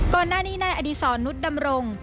ก่อนหน้านี้นายอดีศรนุษย์ดำรง